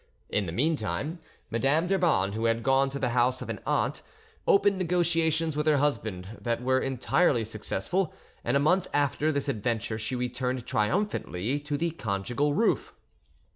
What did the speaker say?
In the meantime, Madame d'Urban, who had gone to the house of an aunt, opened negotiations with her husband that were entirely successful, and a month after this adventure she returned triumphantly to the conjugal roof.